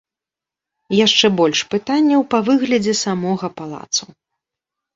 Яшчэ больш пытанняў па выглядзе самога палацу.